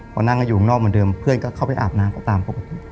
พอนั่งกันอยู่ข้างนอกเหมือนเดิมเพื่อนก็เข้าไปอาบน้ำก็ตามปกติ